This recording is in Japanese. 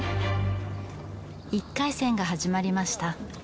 １回戦が始まりました。